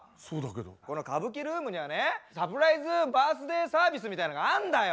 この歌舞伎ルームにはねサプライズバースデーサービスみたいなのがあんだよ。